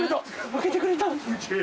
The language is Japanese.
開けてくれたん？